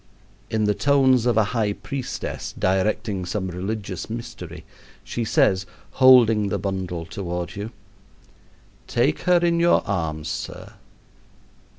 In the tones of a high priestess directing some religious mystery she says, holding the bundle toward you: "Take her in your arms, sir."